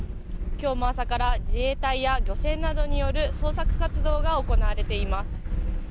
今日も朝から自衛隊や漁船などによる捜索活動が行われています。